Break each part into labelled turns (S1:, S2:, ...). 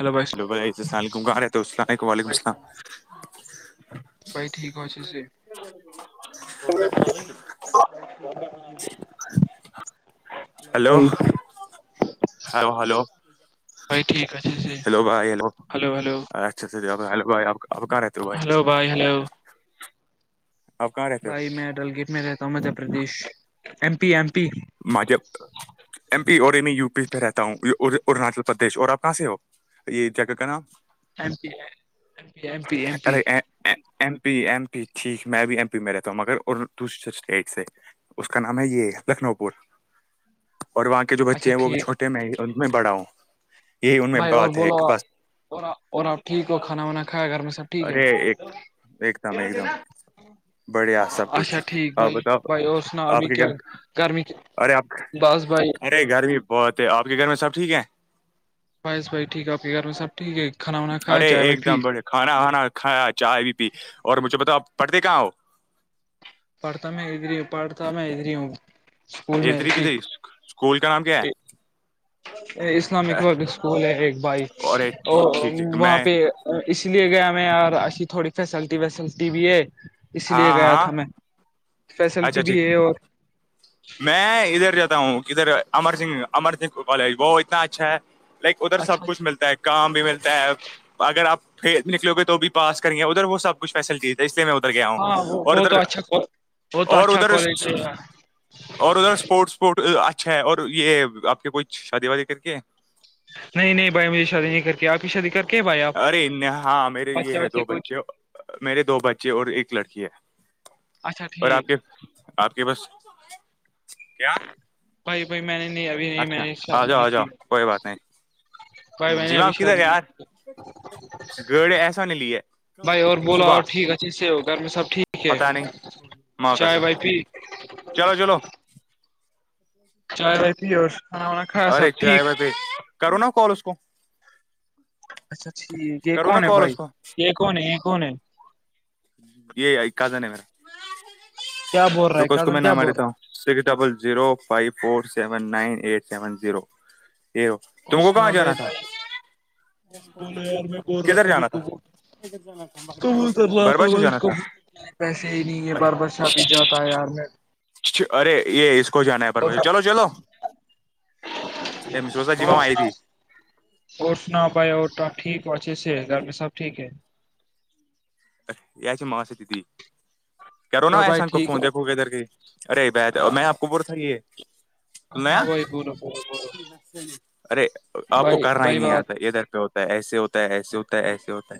S1: Hello بھائی
S2: ہیل ب السلمار رہ السل علیکم ولیکم السلام
S1: بھائی ٹھیک اچ س [unintelligible] [unintelligible]
S2: ہلو ہلو ہلو
S1: بھائی ٹھیک اچھے سے
S2: ہیلو بھائی ہیلو
S1: ہلو ہلو
S2: اچھا ہلو بھائی آپ آپ کہاں رہتے
S1: ہلو بھائی ہلو [unintelligible]
S2: آپ کہاں رہتے
S1: بھائی
S2: ہو
S1: میں ڈل گیٹ میں رہتا ہوں Madhya Pradesh M P M P
S2: ماں جب ایم پی اور ای میں یو پی پہ رہتا ہوں اروناچل پردیش اور آپ کہاں سے ہو یہ چک کر نام
S1: M P M P M P M P
S2: ارے ایم پی ایم پی ٹھیک میں بھی ایم پی میں رہتا ہوں مگر اور دوسرے اسٹیٹ سے اس کا نام ہے یہ لکھنؤ پ اور وہاں کے جو بچے
S1: اچھا
S2: ہیں وہ بھی
S1: ٹھیک ہے
S2: چھوٹے میں ان میں بڑا ہوں یہی ان میں
S1: بھائی اور
S2: بات ہے
S1: بولو
S2: کہ بس
S1: اور اور آپ ٹھیک ہو کھانا وانا کھا گھر میں سب ٹھیک ہے
S2: ارے ایک ایک دم ایک دم بڑھیا سب کچھ
S1: اچھا ٹھیک
S2: آپ
S1: بھائی
S2: بتاؤ
S1: بھائی اور سنا
S2: آپ
S1: بھی
S2: کے
S1: کیا
S2: گھر
S1: گرمی
S2: ارے آپ
S1: بس بھائی
S2: ارے گھر بھی بہت ہے آپ کے گھر میں سب ٹھیک ہے
S1: بائیس بائی ٹھیک ہے آ کے گھر میں سب ٹھیک ہے کھا
S2: ارے ایک دم بڑھیا کھانا وانا کھایا چائے بھی پی اور مجھے بتاؤ آپ پڑھتے کہاں ہو
S1: پڑتاام ازری پڑتا میں ادریوں
S2: اس طریق سے اسکول کا نام کیا ہے
S1: اسلامک پبلک اسکول ہے ایک بھائی
S2: ارے ٹھیک
S1: اور
S2: ٹھیک ٹھیک
S1: وہاں
S2: میں
S1: پہ اس لیے گیا میں ایسی تھوڑی فیسلٹی ویسلٹی بھی ہے اسی لیے
S2: ہاں
S1: گیا
S2: ہاں
S1: تھا میں
S2: اچھا
S1: فیسلٹی
S2: ٹھیک
S1: بھی ہے اور
S2: میں ادھر جاتا ہوں کدھر امر سنگھ امر سنگھ کالج وہ اتنا اچھا ہے لائک ادھر سب
S1: اچھا
S2: کچھ ملتا ہے کام بھی ملتا ہے اگر آپ پ نکلو گے تو بھی پاس کریں گے ادھر وہ سب اسپیشل چیز ہے اس لیے میں ادھر گیا ہوں
S1: ہاں وہ
S2: اور
S1: وہ
S2: ادھر
S1: تو اچھا وہ تو
S2: اور
S1: اچھا
S2: ادھر
S1: کالج ہے یار۔
S2: اور ادھر اسپورٹ اسپورٹ اچھا ہے اور یہ آپ کی کوھ شادی وادی کر کے
S1: [inaudible] نہیں نہیں بھائی مجے شادی نہیں کر کے آپ کی شادی کر کے بھائی
S2: ارے نہ- ہاں میرے یہ ہے
S1: آپچھےے
S2: دو
S1: کچھ
S2: بچے میرے دو بچے اور ایک لڑکی ہے
S1: اچھا
S2: اور
S1: ٹھیک
S2: آپ کے آپ کے بس س کیا
S1: بھائی بھائی میں نے نہیں ابھی نہیں میں
S2: اچھا
S1: نے
S2: آ
S1: شادی
S2: جاؤ
S1: نہیں
S2: آ
S1: کی
S2: جاؤ کوئی بات نہیں
S1: بھائی میں
S2: جی
S1: نے
S2: میم
S1: ابشااد
S2: کدھر یار
S1: نہیں
S2: گڑ ایسا نہیں لی ہے
S1: بھائی اور بولا
S2: صبح
S1: اور ٹھیک اچھی سے ہو گھر میں سب ٹھیک ٹھیک
S2: پتا نہیں
S1: ہے
S2: ماں
S1: چائے
S2: کسم
S1: بائی پی
S2: چلو چلو
S1: چائے رہتی اور کانا وانا کھا سب
S2: ارے
S1: ٹھیک
S2: چائے بھائی پہ کرو نا کال اس کو
S1: اچھا ٹھیک یہ
S2: کرو نا
S1: کون ہے
S2: کال
S1: بھائی
S2: اس کو
S1: یہ کون ہے یہ کون ہے
S2: یہ کازن ہے
S1: کیا بول
S2: میرا
S1: رہا ہے
S2: رکو اس کو
S1: کزن
S2: میں نہ
S1: کیا
S2: مار
S1: بول
S2: دیتا
S1: رہا ہے
S2: ہوں six double zero five four seven nine eight seven zero تم کو
S1: کسنا
S2: کہاں
S1: بھ
S2: جانا تھا
S1: بھائی ب بولے یار میں بول رہا
S2: کدھر
S1: سبھی
S2: جانا
S1: کو
S2: تھا
S1: بول کو بولتا
S2: بربش جانا تھا
S1: رہ پیسے ہی نہیں ہے بار برشا بھی جاتا ہے یار میں
S2: اچھ ارے یہ کو جا ن ہے پر پ چلو چلو ای م سروست جی میں آئی تھی
S1: اس نہ پائے اور ٹیک اچ سے گ میں سب ٹیک ہے
S2: چ ماں سے دیدی کرو نا
S1: ہلو بھائی
S2: ایسان کو
S1: ٹھیک
S2: فون
S1: ہو
S2: دیکھو گ ادھر کے ارے بت میں آپ کو
S1: ہاں
S2: بول تھا یہنا
S1: بھائی بولو بولو بولو
S2: ارے آپ کو
S1: بھائی
S2: کرنا ہی
S1: بھائی
S2: نہیں
S1: بات
S2: آتا ادھر پہ ہوتا ایسے ہوتا ہے ایسے ہوتا ہے ایسے ہوتا ہے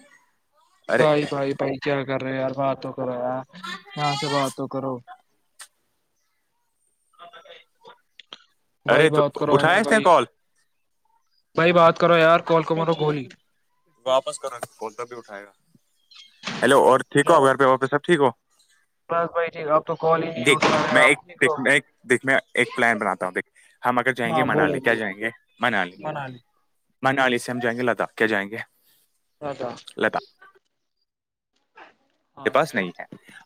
S2: ارے
S1: بھائی بھائی بھائی کیا کر رہے یار بات تو کرا یہاں سے بات تو کرو [inaudible] بھائی
S2: ارے تو
S1: بات کرو ہے نا
S2: اٹھایا اس نے
S1: بھائی
S2: کال
S1: بھائی بات کرو یار کال کومارو گولی
S2: واپس کرو کال ت بھی اٹھائے گا ہیلو اور ٹھیک ہو گھر پہ پہ سب ٹھیک ہو
S1: بس بھائی ٹھیک آپ تو کال ہی نہیں
S2: دیک
S1: اٹھا رہے
S2: میں ایک
S1: آپ ٹھیک ہو
S2: دیک دیکھ میں ایک پلان بناتا ہوں دیک ہم اگر جائیں گے
S1: ہاں بولو
S2: منالی کیا جائیں
S1: بولو
S2: گے منالی منالی سے ہم جائیں گے لداخ کیا جائیںے
S1: لداک
S2: کے پاس نہیں ہے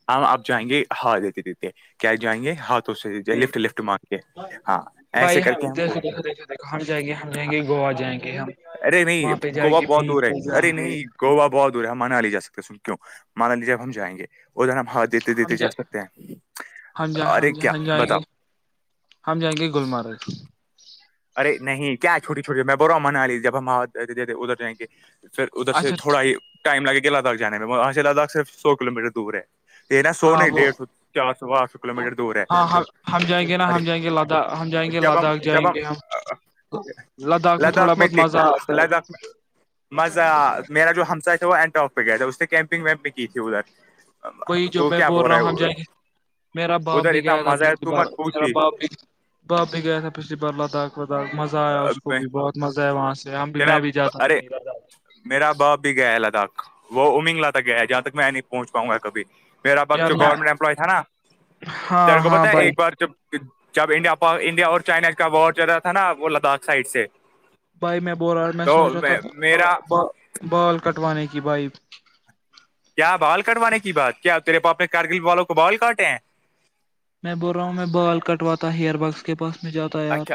S2: ہم آپ جائیں گے ہا دیتے دیتے کیا جائیں گے ہاتؤ تو لفٹ لفٹ مانگ کے ہاں ایسے کر کے ہم پہنچیں گے
S1: کہاں جائیں گے ہم جائیں گے گوا جائیں گے ہم
S2: ارے نہیں
S1: وہاں پہ جائیں
S2: گووا
S1: گے
S2: بہت دور
S1: بیچ
S2: ہے
S1: پہ جائیں
S2: ارے
S1: گے
S2: نہیں گوا بہت دور ہے منالی جا سکتے ہیں سن کیوں مانالی جب ہم جائیں گے ادھر ہم دیتے دیتے
S1: ہم
S2: جا سکتے ہیں
S1: ہم
S2: ارے
S1: ہم
S2: کیا
S1: ہم جائیں
S2: بتاؤ
S1: گے ہم جائیں گے گللمرگ
S2: ارے نہیں کیا چھوٹی چھوٹی میں بور را منا لیی جب ہم وہ دیتے دیتے ادھر جائیں گے پھر ادھر سے
S1: اچھا
S2: تھوا ہی ٹائم لگے گا لداخ جانے میں وہاں سے لداخ صر سو کلو میٹر دور ہے ت نہا سو
S1: ہاں
S2: نہیں
S1: وہ
S2: ڈیھ سو چار سو آٹھ سو کلو میٹر دور ہے
S1: ہاں ہم ہم جائیں گے نا
S2: ارے
S1: ہم جائیں گے ہم جائیں گے
S2: جب ہم
S1: لداخ جائیں
S2: جب
S1: گے ہم لداخ میں تھوڑا بہت مزہ
S2: دیکھ
S1: آتا ہے
S2: لداخ میں مزہ میرا جو ہممسا تھا وہ اینٹارک پہ گیا تھا اس نے کیمپنگ ویمپنگ کی تھی ادھر
S1: وہی جو
S2: تو
S1: میں
S2: کیا
S1: بول رہا ہوں ہم
S2: ہے
S1: جائیں گے میرا باپ
S2: ادھر
S1: بھی
S2: اتنا
S1: گئے تھا
S2: مزہ ہے
S1: پچھلی
S2: تو
S1: بار
S2: مت
S1: میرا
S2: پوچھی
S1: باپ بھی باپ ہی گیا تھا پچھلی بار لداخ وداخ مزہ آیا اس کو بھی بہت مزہ ہے وہاں سے بھی
S2: تیرا
S1: میں بھی جاتا ہوں
S2: ارے میرا باپ بھی گیا ہے لداخ وہ امنگل تک گیا ہے جہاں تک میں نہیں پہنچ پاں گا کبھی میرا باپ
S1: یار
S2: جو
S1: میں
S2: گورنمنٹ ایمپلائی تھا نا
S1: ہاں
S2: تیل گ
S1: ہاں
S2: بت ا
S1: بھائی
S2: ایک بار چ جب انڈیا انڈیا اور چائنا کا وار چل رہا تھا نا وہ لداخ سائڈ سے
S1: بائی م بور آ میں
S2: تو
S1: سوچتا تھا
S2: میرا
S1: ب بال کٹوانے کی بائی
S2: کیا بال کٹوانے کی بات کیا تیرے پاپے کرگل والوں کو بال کاٹے ہیں
S1: میں بول رہا ہوں میں بال کٹواتا ہیئر بز کے پاس میں جاتا یار
S2: اچھا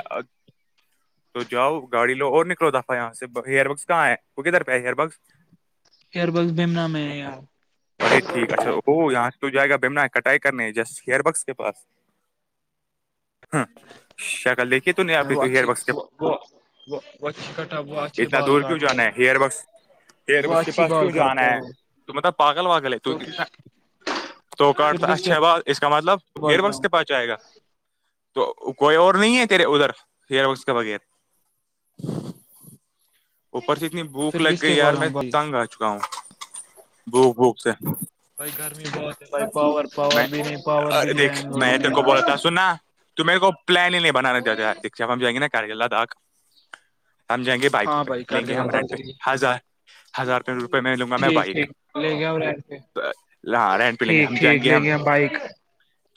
S2: تو جاؤ گاڑی لو اور نکلو دفا یہاں سے ہ ہیئر بگس کہاں ہے وہ کدھر پہ ہے ہیئر بگس
S1: ہیر بس بمنہ میں ہے
S2: ارے ٹھیک اچھا وہ یہاں سے تو جائے گا بیمنا ہے کٹائی کرنے ہے جسٹ ہیئر بکس کے پس ہمم شکل دیکھیے تو نہیں آ
S1: میں وہ
S2: ہیئر
S1: اچھی
S2: بس کے
S1: [unintelligible] وہ اچھے
S2: اتنا
S1: بال
S2: دور کیوں
S1: کاٹتے
S2: جانا ہے
S1: ہیں
S2: ہیئر بکس پھر
S1: وہ
S2: اس کے
S1: اچھی
S2: پاس
S1: بال
S2: کیوں جانا
S1: کاٹتے ہیں
S2: ہے
S1: وہ
S2: تو مطلب پاگل واگل ہے تو کنا توکاٹتا
S1: کس کے
S2: اچھا ہے ب اس کا مطلب ہیئر بکس کے پاس جائے گا تو کوئی اور نہیں ہے تیرے ادھر ہیئر بگس کے بغیر اوپر سے اتنی بھوک
S1: پھر
S2: لگ
S1: کس
S2: گئی
S1: کے
S2: یار
S1: پاس
S2: میں
S1: جاؤں بھائی
S2: تنگ آ چکا ہوں بھوک بھوک سے
S1: بائی گرمی بہت ہے بائی پاور پاور
S2: میں
S1: بھی نہیں پاور بھی
S2: ارے
S1: لیا لوگوں نے
S2: تومہے کو پلان ہی نہیں بنانا دیا دیا داپ ہم جیںیں گے نا کاریال تھا آک ہم جائیں گے بائکوں
S1: ہاں
S2: پہ
S1: بھائی
S2: لیں
S1: کر کے
S2: گے ہم
S1: لاتا
S2: رینٹ پہ
S1: چلیے،
S2: ہزار ہزار روپئے میں لوں گا میں
S1: ٹھیک
S2: بائک
S1: ٹھیک لے گیا ہم رینٹ پہ
S2: ہاں رینٹ پہ لیں گے ہم
S1: ٹھیک
S2: جائیں گے
S1: ٹھیک
S2: گ
S1: لے
S2: ہم
S1: گیا بائک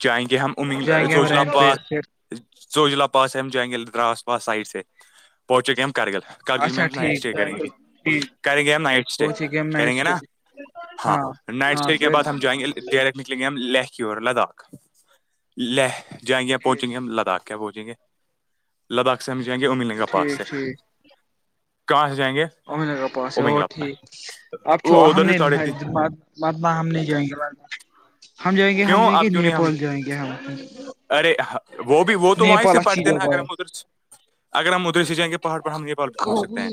S2: چاہیں گے ہم ا
S1: جائیں گے ہم
S2: زوجلا
S1: رینٹ پہ
S2: پاس
S1: پھر
S2: زوجلہ پاس ہے ہم جائیں گے ادھر آس پاس سائڈ سے پہچک ہم کرگل کارگل میں
S1: اچھا
S2: ہم نائٹ
S1: ٹھیک
S2: اسٹے
S1: جائیں
S2: کریں گے
S1: ٹھیک
S2: کریں گے ہم نائٹ اسٹے
S1: پہنچے ہم نائٹ
S2: کریں گے نا
S1: اسٹوڈیو،
S2: ہاں نائٹ
S1: ہاں
S2: اسٹے کے
S1: پھر
S2: بع ہم جائیں گے ای ڈائریکٹ نکلیں گے ہم لہ کی اور لداخ لہ جائیں گے ہم
S1: ٹھیک
S2: پہنچیں گے ہم لداخ کیا بوجیں گے لداخ سمجھائیں گے ا ملیں گا پاس سے
S1: ٹھیک
S2: کہاں سے جائیں گے
S1: امد نگر پاس ہے وہو
S2: امنگلا پاس
S1: ٹھیک آپھو
S2: وہ ادھر سے
S1: احمدد
S2: ساڑھے تین
S1: جم بعد باہ ہم نہیں جائیں گے بعد ب ہم جائیں گے ہم
S2: کیوں
S1: جائیں گے
S2: آپ کیوں نہیں ہم
S1: نیپال جائیں گے ہم
S2: ارے وہ بھی وہ تو وہیں
S1: نیپال
S2: سے
S1: اچھی
S2: پڑتے ہیں نا
S1: جگہ
S2: اگر ہم
S1: ہے
S2: ادھر اگر ہم ادھر سے جائیںے پہاڑ پر ہم نیپال بھی پہنچ سکتے ہیں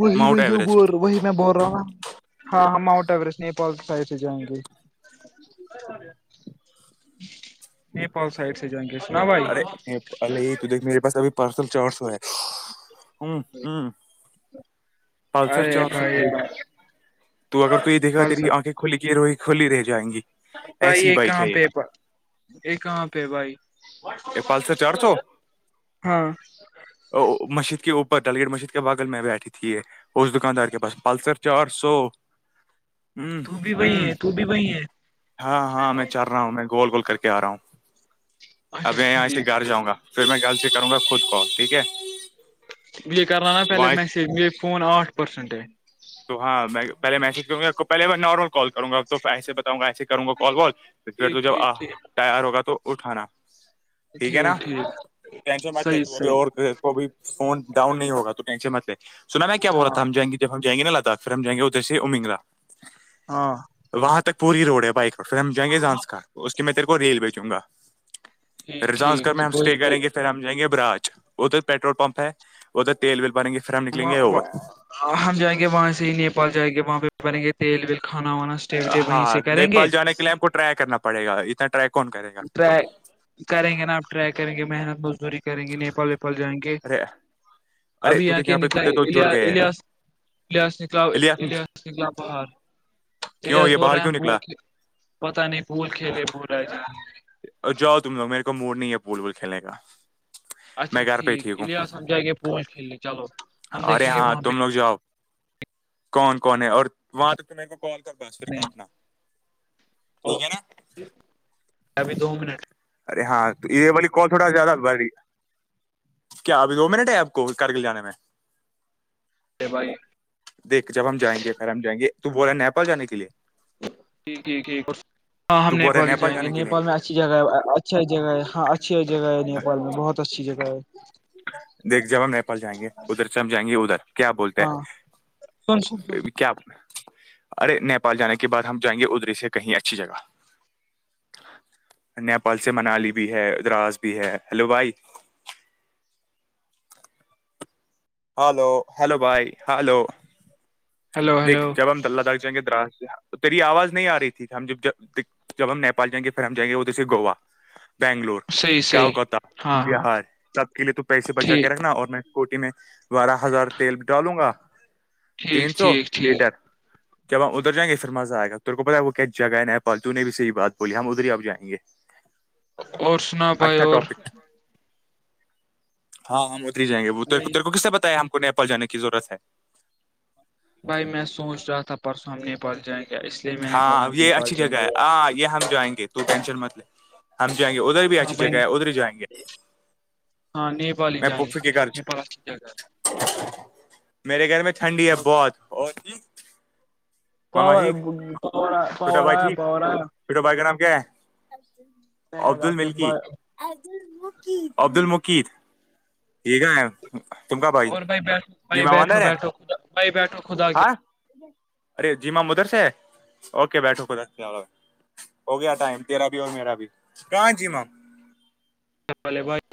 S1: وہی
S2: ماؤنٹ
S1: میں
S2: ایوریسٹ
S1: وہی میں بول رہا ہوں ہاں ہاں ماؤنٹ ایورسٹ نیپال سائڈ سے جائیں گی نیپال سائڈ سے جائیں گے سنا بھائی
S2: ارے الے تو دیکھ میرے پاس ابھی پرسنل چار سو ہے ہ ہ پلسر
S1: ارے
S2: چار سو
S1: بھائی
S2: بائک تو اگر تو یہ دیکھا تیری
S1: پلسر
S2: آنکھیں کھلی کی روئی کھلی رہ جائیں گی
S1: بھائی
S2: ایسی
S1: یہ
S2: بائک
S1: کہاں
S2: ہے
S1: پہ یہ کہاں پہ بھائی
S2: یہ پالس چار سو
S1: ہاں
S2: مشجد کے اوپر تلگیر مجد کے باغل میں بیٹھی تھی یہ اس دکاندار کے پاس پلسر چار سو
S1: تو بھی
S2: ہ
S1: وہی
S2: ہ
S1: ہے تو بھی وہی ہے
S2: ہاں ہاں میں چل رہا ہوں میں گول گول کر کے آ رہا ہوں
S1: اچھا
S2: اب میں یہاں سے
S1: ٹھیک
S2: گھر جاں گا پھر میں ل سے کروں گا خود کال ٹھیک ہے
S1: یہ کرنا نا پہلے
S2: وہاں
S1: میسیج م فونٹ پ پرسنٹ
S2: تو ہاں میں پہے میسج کروں گی پہل میں نارمل کال کروں گا ا تو ایسے بتاؤں گا ایسے کروں گا کال کال پھر تو
S1: ٹھیک
S2: جب
S1: ٹھیک
S2: آ
S1: ٹھیک
S2: ٹائر ہوگا تو اٹھانا ٹھیک ہے نا ٹینشن مت لے
S1: صحیح
S2: تو ابھی
S1: صحیح
S2: اوربھی فون ڈاؤن نہیں ہوا تو ٹینشن متلے سن نا کیا بول رہا
S1: ہاں
S2: تھا ہم جائیں گے جب ہم جائیں گےا لداخ پھر ہم جائیں گے ادھر سے امنگلہ
S1: ہاں [unintelligible]
S2: وہاں تک پوری روڈ ہے بائک پر پھر ہم جائیں گے جانس کا اس کی میں تیرے کو ریلوے چوں گا
S1: ٹھیک
S2: رزان کر میں ہممسٹے
S1: ٹھیک
S2: کریں گے پھر ہم جائیںے باچ ادھر پٹرول پپ ہے ادھر تیل ول بن گ
S1: اں ہم جائیں گے وہاں سے ہی نیپال جائیں گے وہاں پہ بنیں گے تیل ویل کھانا وانا وٹے وہیں
S2: ہاں
S1: سے کریں گے
S2: نیپال جانے کے لیے ہم کو ٹرائی کرنا پڑے گا اتنا ٹرائی کون کرے گا
S1: ٹرائی کریں گے نا آپ ٹرائی کریں گے محنت مزدوری کریں گے نیپال ویپال جائیں گے
S2: ارے ارے
S1: ابھی
S2: تو
S1: یہاں
S2: دیکھ
S1: کے
S2: پہ کتے تو جڑ گئے ہیں
S1: نکیاس حظ نکلاؤ
S2: الیاس
S1: لحاظ نکلاؤ بہاہار یہ
S2: کیوں
S1: لحظ بول
S2: باہر
S1: رہے ہیں
S2: کیوں
S1: بھول
S2: نکلا
S1: کے پتا نہیں بول کھیل ب رہ
S2: جاؤ تم ل میں ک مور نہیں ہے پول بول کھیلے کا میں
S1: اچھا
S2: گھر پ
S1: ٹھیک
S2: ٹھیکوں
S1: الیاس ہم جائیں گے پول کھیلنے چلو ہم
S2: ارے
S1: دیکھیں گے
S2: ہاں
S1: وہاں پہ
S2: تم لوگ جواب کون کون ہے اور وہاں تک تو مے کو کال کر د پھر
S1: کتنے ہیں۔
S2: کاٹنا ٹھیک ہے نا
S1: ابھی دو منٹ
S2: ارے ہاں تو یہ والی کال تھوڑا زیادہ بڑ رہی ہے کیا ابھی دو منٹ ہے آپ کو کرارگل جان میں
S1: ا بھائی
S2: دیکھ جب ہم جائیںے پھر ہم جائیں گے تو بول رہے ہے نیپال جانے کے لیے
S1: جی ٹ ٹھیک ہاں ہم
S2: تو بول رہا ہے
S1: نیپال ہی جائیں گے
S2: جانے کے لیے
S1: نیپال میں ای اچھی جگہ اچھھیا جگہ ہے ہاں اچھی جگہ ہے نیال میں بہت اچھی جگہ ہے
S2: دیکھ جب ہم نیپال جائیں گے ادھر سے ہم جائیں گے ادھر کیا بولتے
S1: ہاں سن سن سن
S2: ہیں کیا ارے نیپال جانے کے بعد ہم جائیں گے ادری سے کہیں اچھی جگہ نیپال سے منالی بھی ہے ا دراس بھی ہے ہلو بھائی ہلو ہلو بھائی ہلو
S1: ہیلو ہیلو
S2: دیکھ جب ہم تلہ دخ جائیں گے دراز سے تو تیری آواز نہیں آ رہی تھی ہم ج جب ہم نیپال جائیں گے پھر ہم جائیں گے وہ دسے گوا بنگلور
S1: صحیح صحیح
S2: کالکتا
S1: ہاں ہاں
S2: بہار سب کے لیے تو پیسے بچا کے
S1: ٹھیک
S2: رکھنا اور میں کوٹی میں بارہ ہزار تیل بھی ڈالوں گا تین
S1: ٹھیک
S2: سو
S1: ٹھیک ٹھیک
S2: لیٹر جب ہم ادھر جائیں گے پھر مزہئے گا تو کو پتا وہ کیاس جگہ ہے نیال تو نے بھی سےی بات بولی ہم ادھر ہی ا جائیں گے
S1: [inaudible] اور سنا بھائی
S2: اچھا
S1: اور
S2: ٹاپک ہے ہاں ہم جیں گے وہ تیر کو کس بتایا ہم کوویپال جان کی ضرورت ہے
S1: بھائی میں سوچ رہا تھا پرسوں ہم نیپال جائیں گے اس لیے میں نے بولا
S2: ہاں
S1: ہم
S2: یہ
S1: نیپال
S2: اچھی
S1: جائیں
S2: جگہ ہے
S1: گے
S2: ہاں یہ ہم جائیں گے تو ٹینشن مت لے ہم جائیں گے ادھر بھی
S1: ہاں
S2: اچھی جگہ
S1: بھائی
S2: ہے ادھر جائیں گے
S1: ہاںیپال ہی
S2: میں
S1: جائیں گے
S2: پفی
S1: ہم
S2: کے گھر
S1: اریپال اچھی جگہ ہے
S2: میرے گھر میں ٹھنڈی ہے
S1: نیپال
S2: بہت اور
S1: پ
S2: ماما ٹھیک
S1: پور پور آ پور آ
S2: پیٹو بھائی کا نام کیا ہے
S1: آیا
S2: عبدل ملکی عبد ال مقید یہ گ ہے تم کا بھائی جیما باندر ہے
S1: بائی بیٹھو خدا کے
S2: ہاں ارے جیما مدر سے اکے بیٹھو خد چلو ہو گیا ٹائم تیرا بھی اور میرا بھی راں جی مم
S1: چلے بھائی